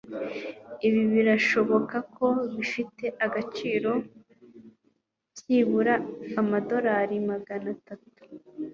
Ibi birashoboka ko bifite agaciro byibura amadorari magana atatu.